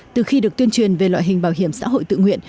từ khi được tuyên truyền về loại hình bảo hiểm xã hội tự nguyện